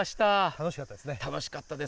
楽しかったですね。